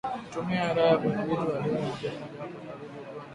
Kutumia dawa za kudhibiti wadudu ni njia moja wapo ya kukabili ugonjwa